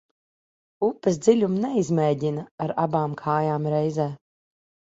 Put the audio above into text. Upes dziļumu neizmēģina ar abām kājām reizē.